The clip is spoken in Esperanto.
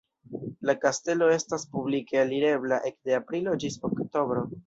La kastelo estas publike alirebla ekde aprilo ĝis oktobro.